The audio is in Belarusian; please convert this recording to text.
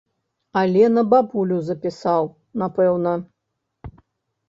Але на бабулю запісаў, напэўна.